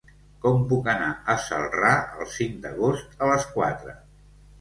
Com puc anar a Celrà el cinc d'agost a les quatre?